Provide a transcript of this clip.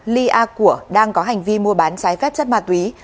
li a của đang có hành vi mua bán trái phép chất ma túy